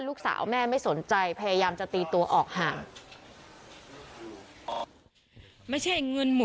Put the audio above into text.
ลูกสาวแม่ไม่สนใจพยายามจะตีตัวออกห่าง